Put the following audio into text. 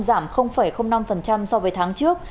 giảm năm so với tháng trước